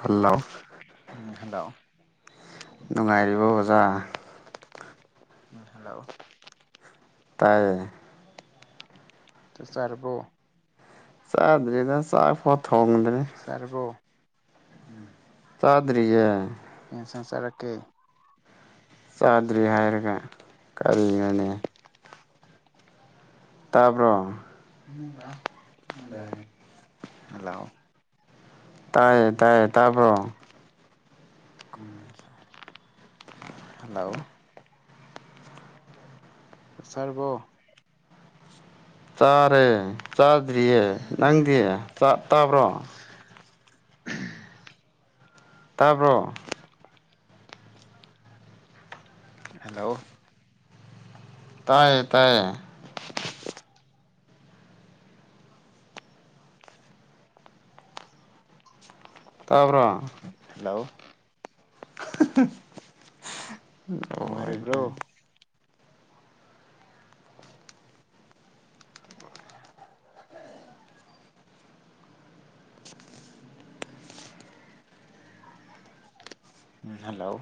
hello ꯎꯝ hello ꯅꯨꯡꯉꯥꯏꯔꯤꯕ ꯑꯣꯖꯥ ꯎꯝ hello ꯇꯥꯏ ꯇ ꯆꯔꯔꯕꯣ ꯆꯥꯗ꯭ꯔꯔꯤꯗ ꯆ ꯐꯠ ꯍꯣꯡꯉꯗ꯭ꯔꯦ ꯆꯥꯛ ꯆꯥꯔꯕꯣ ꯇꯥꯗꯔꯤ ꯁꯪꯁꯔꯛꯀꯦ ꯆꯥꯗ꯭ꯔꯤ ꯍꯥꯏꯔꯒ ꯀꯔꯤꯅꯣꯅꯦ ꯇꯥꯔꯕꯔꯣ ꯍꯂꯑꯣ ꯇꯥꯏꯌꯦ ꯇꯥꯏꯌꯦ ꯇꯥꯄꯣ ꯍꯂꯣ ꯆꯔꯔꯕꯣ ꯆꯥꯔꯦ ꯆꯥꯗ꯭ꯔꯤꯌꯦ ꯅꯪꯗꯤ ꯆꯥꯛ ꯇꯥꯕ꯭ꯔꯣ ꯇꯥꯔꯕꯣ ꯍꯜꯂꯣ ꯇꯥꯏꯌꯦ ꯇꯥꯏꯌꯦ ꯇꯞ꯭ꯔꯣ ꯍꯜꯂꯣ ꯍ ꯅꯨꯡꯉꯥꯏꯔꯤꯕ꯭ꯔꯣ ꯍ ꯎꯝ ꯍꯜꯂꯣ